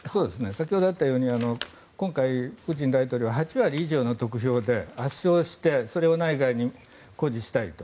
先ほどあったように今回、プーチン大統領は８割以上の得票で圧勝してそれを内外に誇示したいと。